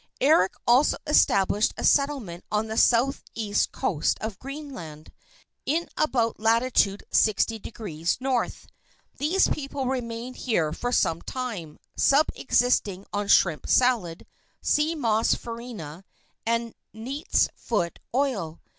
Erik also established a settlement on the south east coast of Greenland in about latitude 60 degrees north. These people remained here for some time, subsisting on shrimp salad, sea moss farina, and neat's foot oil.